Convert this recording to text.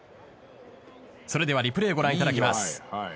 それではリプレーご覧いただきます。